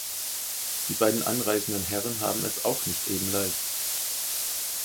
Die beiden anreisenden Herren haben es auch nicht eben leicht.